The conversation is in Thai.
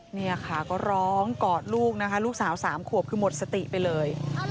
นี่ค่ะก็ร้องกอดลูกนะคะลูกสาว๓ขวบคือหมดสติไปเลย